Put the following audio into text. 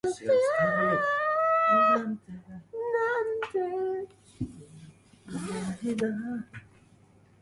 実際に訪れたものはいなければ、記憶にもなかった。当たり前だった。